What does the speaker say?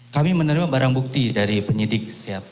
kami menerima barang bukti dari penyidik